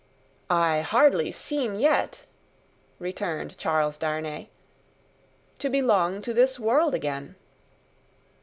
"I hardly seem yet," returned Charles Darnay, "to belong to this world again."